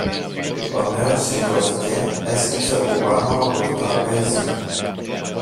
Ο νέος σηκώθηκε, έσκυψε από πάνω από το τραπέζι